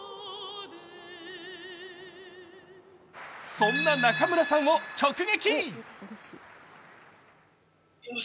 そんな中村さんを直撃。